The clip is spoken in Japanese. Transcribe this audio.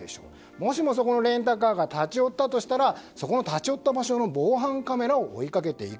もしもそのレンタカーが立ち寄ったとしたら立ち寄った場所の防犯カメラを追いかけていく。